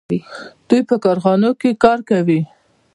دوی په کارخانو کې کار کوي.